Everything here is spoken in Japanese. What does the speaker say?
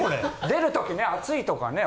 出るときね暑いとかね